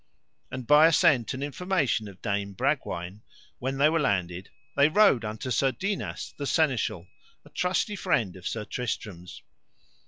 And by assent and information of Dame Bragwaine when they were landed they rode unto Sir Dinas, the Seneschal, a trusty friend of Sir Tristram's.